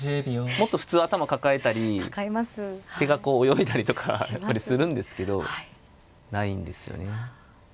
もっと普通頭抱えたり手が泳いだりとかするんですけどないんですよね。